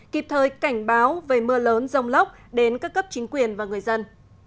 kịp thời cảnh báo về mưa lớn rông lốc đến các cấp chính quyền và người dân